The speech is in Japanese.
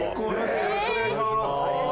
よろしくお願いします